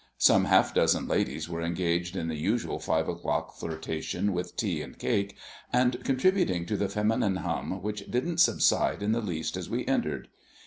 Some half dozen ladies were engaged in the usual five o'clock flirtation with tea and cake, and contributing to the feminine hum which didn't subside in the least as we entered.